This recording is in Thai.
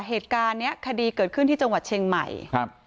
เหตุการณ์เนี้ยคดีเกิดขึ้นที่จังหวัดเชียงใหม่ครับ